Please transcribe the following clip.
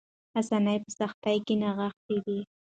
آساني په سختۍ کې نغښتې ده.